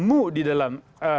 mu di dalam